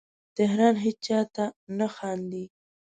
تهران هیچا ته نه خاندې